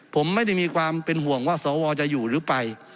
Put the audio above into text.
ผมไม่ได้มีความเป็นห่วงว่าสวจะอยู่หรือไป